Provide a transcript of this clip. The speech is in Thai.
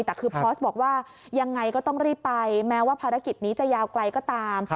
แต่คือพอสบอกว่ายังไงก็ต้องรีบไปแม้ว่าภารกิจนี้จะยาวไกลก็ตาม